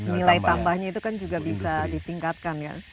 nilai tambahnya itu kan juga bisa ditingkatkan ya